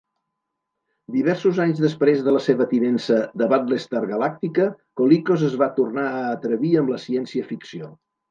Diversos anys després de la seva tinença de "Battlestar Galactica", Colicos es va tornar a atrevir amb la ciència-ficció.